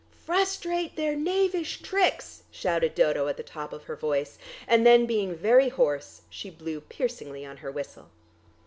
"Frustrate their knavish tricks," shouted Dodo at the top of her voice, and then being very hoarse she blew piercingly on her whistle.